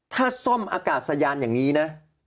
ถ้าซ่อมอากาศยานอย่างนี้นะ